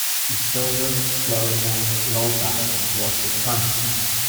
Joseph Florimond Loubat was his son.